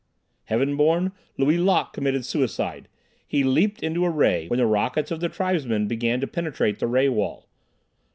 "Heaven Born, Lui Lok committed suicide. He leaped into a ray, when the rockets of the tribesmen began to penetrate the ray wall.